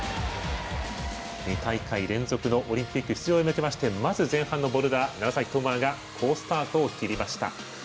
２大会連続のオリンピック出場へ向けましてまず前半のボルダー、楢崎智亜が好スタートを切りました。